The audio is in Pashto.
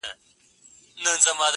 زما دقام خلګ چي جوړ سي رقيبان ساتي,